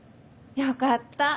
よかった。